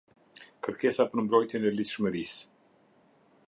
Kërkesa për mbrojtjen e ligjshmërisë.